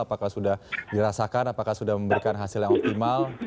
apakah sudah dirasakan apakah sudah memberikan hasil yang optimal